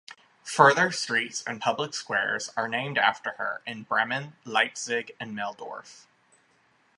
Further streets and public squares are named after her in Bremen, Leipzig, and Meldorf.